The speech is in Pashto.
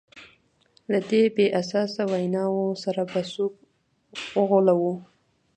له دې بې اساسه ویناوو سره به څوک وغولوو.